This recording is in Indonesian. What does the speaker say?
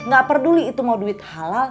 gak peduli itu mau duit halal